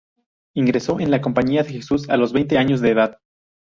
Ingresó en la Compañía de Jesús a los veinte año de edad.